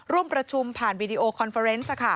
ร่วมประชุมผ่านวีดีโอคอนเฟอร์เนส